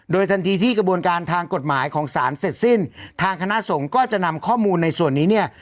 ทันทีที่กระบวนการทางกฎหมายของสารเสร็จสิ้นทางคณะสงฆ์ก็จะนำข้อมูลในส่วนนี้เนี่ย